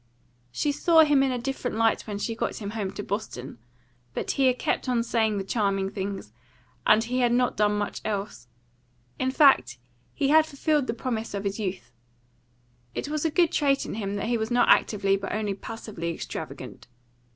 She saw him in a different light when she got him home to Boston; but he had kept on saying the charming things, and he had not done much else. In fact, he had fulfilled the promise of his youth. It was a good trait in him that he was not actively but only passively extravagant.